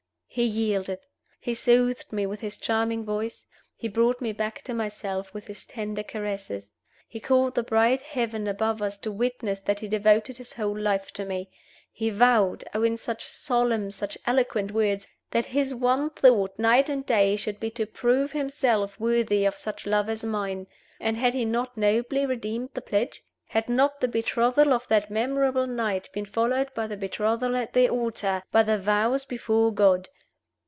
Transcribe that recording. He yielded. He soothed me with his charming voice; he brought me back to myself with his tender caresses. He called the bright heaven above us to witness that he devoted his whole life to me. He vowed oh, in such solemn, such eloquent words! that his one thought, night and day, should be to prove himself worthy of such love as mine. And had he not nobly redeemed the pledge? Had not the betrothal of that memorable night been followed by the betrothal at the altar, by the vows before God!